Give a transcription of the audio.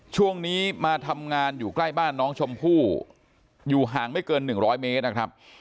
ช่วงนี้มาทำงานอยู่ใกล้บ้านน้องชมพู่อยู่ห่างไม่เกิน๑๐๐เมตรนะครับ